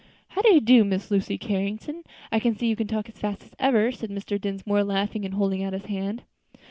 "How do you do, Miss Lucy Carrington? I see you can talk as fast as ever," said Mr. Dinsmore, laughing, and holding out his hand.